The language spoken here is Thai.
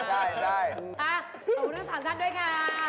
ต่อมาดูสามชั้นด้วยค่ะ